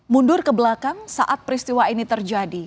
mundur ke belakang saat peristiwa ini terjadi